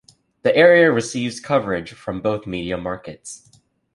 The area receives coverage from both media markets.